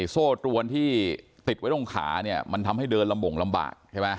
โซ่ตรวนที่ติดไว้ตรงขามันทำให้เดินลำบ่งลำบาก